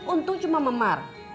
untung cuma memar